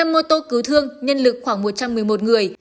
hai mô tô cứu thương nhân lực khoảng một trăm một mươi một người